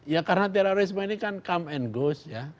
ya karena terorisme ini kan come and goes ya